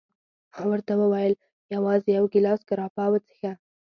ما ورته بیا وویل: یوازي یو ګیلاس ګراپا وڅېښه.